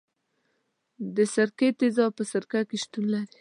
د سرکې تیزاب په سرکه کې شتون لري.